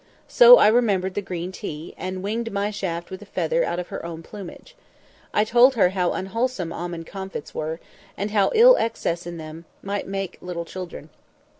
So I remembered the green tea, and winged my shaft with a feather out of her own plumage. I told her how unwholesome almond comfits were, and how ill excess in them might make the little children.